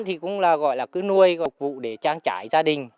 thì cũng gọi là cứ nuôi vụ để trang trải gia đình